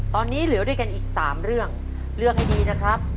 ตอนนี้เหลือด้วยกันอีก๓เรื่องเลือกให้ดีนะครับ